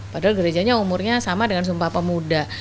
padahal gerejanya umurnya sama dengan sumpah pemuda